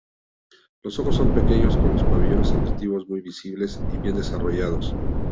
Los ojos son pequeños con los pabellones auditivos muy visibles y bien desarrollados.